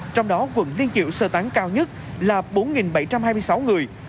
trong đó quận liên triệu sơ tán cao nhất là bốn bảy trăm hai mươi sáu người